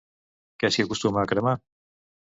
Què s'hi acostuma a cremar?